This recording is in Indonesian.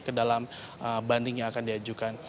ke dalam banding yang akan diajukan